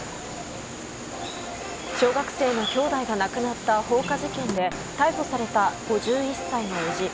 小学生の兄弟が亡くなった放火事件で逮捕された５１歳の伯父。